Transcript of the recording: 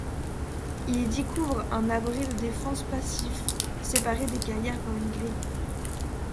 Il y découvre un abri de défense passive, séparé des carrières par une grille.